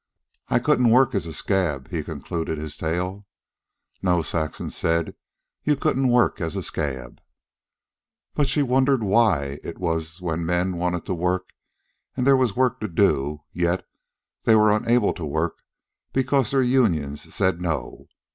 "I couldn't work as a scab," he concluded his tale. "No," Saxon said; "you couldn't work as a scab." But she wondered why it was that when men wanted to work, and there was work to do, yet they were unable to work because their unions said no.